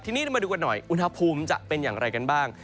ทีนี้เรามาดูกันหน่อยอุณหภูมิจะเป็นอย่างไรกันบ้าง